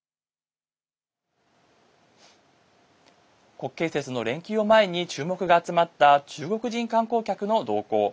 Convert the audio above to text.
国慶節の連休前に注目が集まった中国人観光客の動向。